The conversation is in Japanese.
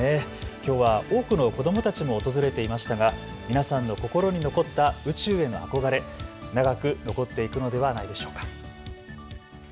きょうは多くの子どもたちも訪れていましたが皆さんの心に残った宇宙への憧れ、長く残っていくのではないでしょうか。